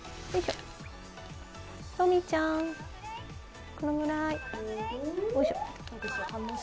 ロミィちゃーん、このぐらい？